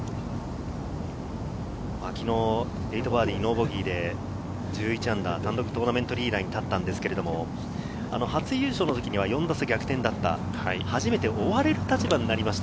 昨日、８バーディー、ノーボギーで−１１、単独トーナメントリーダーに立ったんですが、初優勝の時には４打差逆転だった、初めて追われる立場になりました。